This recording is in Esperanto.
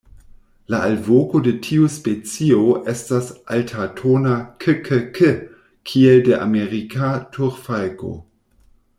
La alvoko de tiu specio estas altatona "ke-ke-ke" kiel de Amerika turfalko.